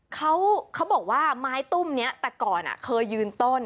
เขาบอกว่าไม้ตุ้มนี้แต่ก่อนเคยยืนต้น